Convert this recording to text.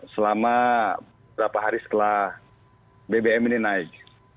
selama berapa hari setelah bbm ini naik